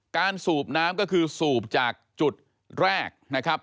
การสูบน้ำก็คือสูบจากจุดแรก